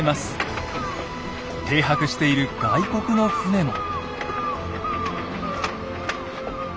停泊している外国の船も。